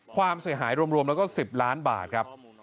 ความเสียหายรวมแล้วก็๑๐ล้านบาทครับ